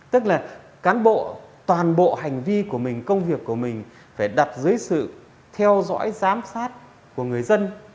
tức là cán bộ toàn bộ hành vi của mình công việc của mình phải đặt dưới sự theo dõi giám sát của người dân